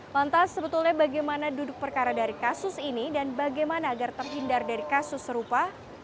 lantas sebetulnya bagaimana duduk perkara dari kasus ini dan bagaimana agar terhindar dari kasus serupa